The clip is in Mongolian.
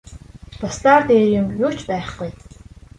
Бусдаар дээр юм юу ч байхгүй.